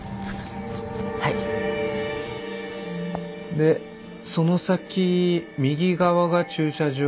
でその先右側が駐車場